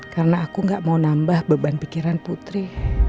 karena aku gak mau nambah beban pikiran putri